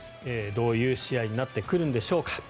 どういう試合になってくるんでしょうか。